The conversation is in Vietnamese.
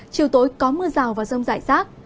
chiều tối có mưa rào và rông rải rác